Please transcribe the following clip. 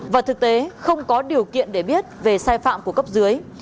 và thực tế không có điều kiện để biết về sai phạm của cấp dưới